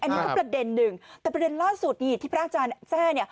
นี่ก็ประเด็นหนึ่งแต่ประเด็นล่าสุดยี่ที่พระอาจารย์แจ้